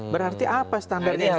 berarti apa standar instagram ini